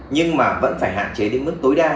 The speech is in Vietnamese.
nhưng mà vẫn phải hạn chế đến mức tối đa